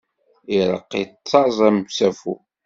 Ireqq yettaẓ am usafu.